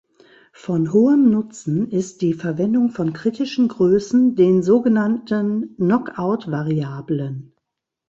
Von hohem Nutzen ist die Verwendung von kritischen Größen, den sogenannten Knock-out-Variablen.